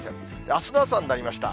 あすの朝になりました。